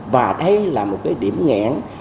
và đây là một cái điểm nghẹn